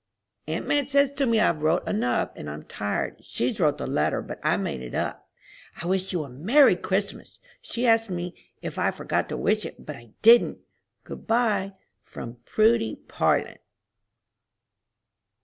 Aunt Madge says to me I've wrote enough, and I'm tired. She's wrote the letter, but I made it up. I wish you a Merry Christmas! She asked me if I forgot to wish it, but I didn't. Good by. From PRUDY PARLIN.